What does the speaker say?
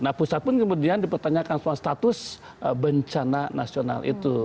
nah pusat pun kemudian dipertanyakan soal status bencana nasional itu